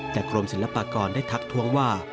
แต่กรมศิลปากรได้ทักท้วงว่า